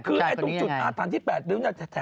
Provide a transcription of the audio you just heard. คือตรงจุดอาฐานที่๘นิ้วเนี่ย